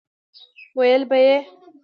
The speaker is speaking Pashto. ويل به يې